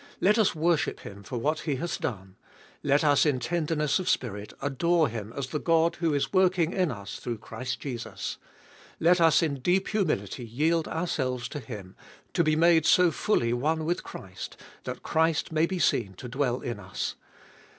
Let us worship Him for what He hath done. Let us in tenderness of spirit adore Him as the God who is working in us through Christ Jesus. Let us in deep humility yield ourselves to Him, to be made so fully one with Christ that Christ may be seen to dwell in us.